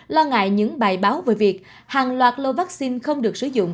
lo ngại những bài báo về việc hàng loạt lô vắc xin không được sử dụng